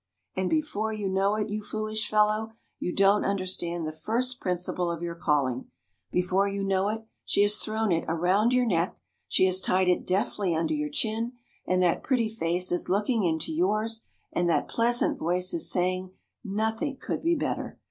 And before you know it, you foolish fellow, who don't understand the first principle of your calling before you know it, she has thrown it around your neck, she has tied it deftly under your chin, and that pretty face is looking into yours, and that pleasant voice is saying, "Nothing could be better.